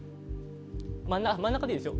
真ん中でいいですよ